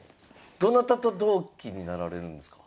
どなたと同期になられるんですか？